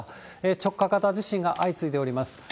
直下型地震が相次いでおります。